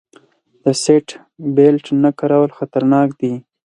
د سیټ بیلټ نه کارول خطرناک دي.